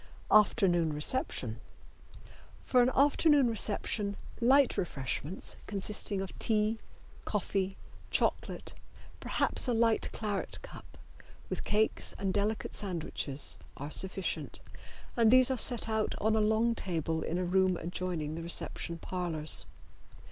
Afternoon Reception. For an afternoon reception light refreshments, consisting of tea, coffee, chocolate, perhaps a light claret cup, with cakes and delicate sandwiches, are sufficient, and these are set out on a long table in a room adjoining the reception parlors.